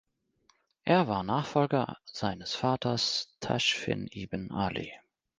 Er war Nachfolger seines Vaters Taschfin ibn Ali.